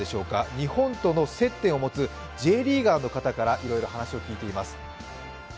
日本との接点を持つＪリーガーの方から話を聞いています。